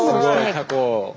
タコ。